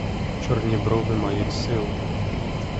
Чорні брови мають силу.